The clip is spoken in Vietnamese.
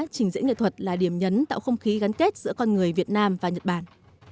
trình diễn nghệ thuật là điểm nhấn tạo không khí gắn kết giữa con người việt nam và nhật bản